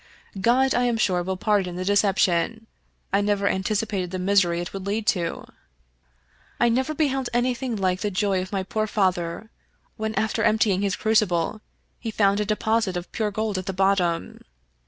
God, I am sure, will pardon the deception. I never anticipated the misery it would lead to. " I never beheld anything like the joy of my poor father, when, after emptying his crucible, he found a deposit of pure gold at the bottom.